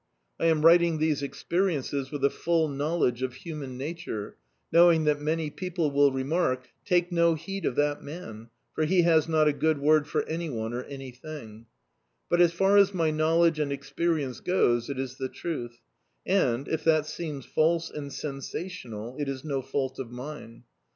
I am writing these experiences with a full knowledge of human nature, knowing that many people will remark: 'Take no heed of that man, for he has not a good word for any one or anything;" but, as far as my knowledge and experience goes it is the truth, and, if that seems false and sensational, it is no fault of mine.